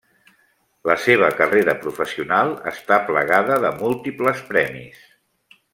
La seva carrera professional està plagada de múltiples premis.